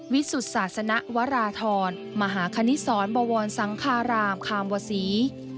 สุศาสนวราธรมหาคณิตศรบวรสังคารามคามวศรี